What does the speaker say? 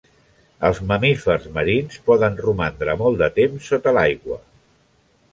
Els mamífers marins poden romandre molt de temps sota l'aigua.